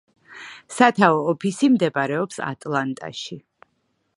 სათაო ოფისი მდებარეობს ატლანტაში.